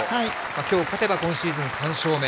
きょう勝てば、今シーズン３勝目。